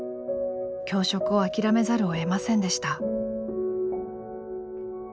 教職を諦めざるをえませんでした。